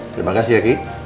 terima kasih ya ki